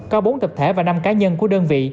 có bốn tập thể và năm cá nhân của đơn vị